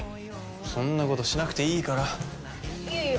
そんなことしなくていいからいえいえ